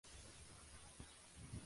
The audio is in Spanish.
Es el hogar de la banda Diablo.